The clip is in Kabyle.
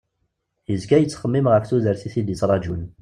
Yezga yettxemmim ɣef tudert i t-id-ittrajun.